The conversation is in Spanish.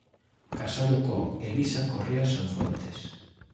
Casado con "Elisa Correa Sanfuentes".